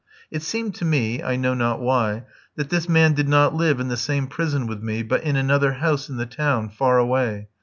It seemed to me, I know not why, that this man did not live in the same prison with me, but in another house in the town, far away.